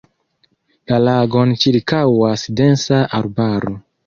La lagon ĉirkaŭas densa arbaro.